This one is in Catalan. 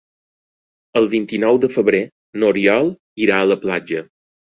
El vint-i-nou de febrer n'Oriol irà a la platja.